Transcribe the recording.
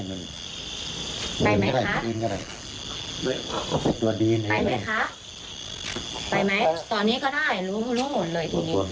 มันยังคือห่อไขแต่ว่ามันยังคือห่อไขเพียงของหยามห่อ